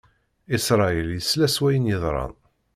Isṛayil isla s wayen yeḍran.